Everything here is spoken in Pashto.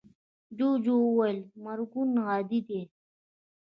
جوجو وویل مرگونه عادي دي.